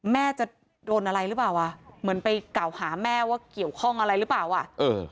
แม่จะโดนอะไรหรือเปล่าอ่ะเหมือนไปกล่าวหาแม่ว่าเกี่ยวข้องอะไรหรือเปล่าอ่ะเออ